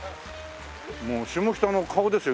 もう下北の顔ですよ。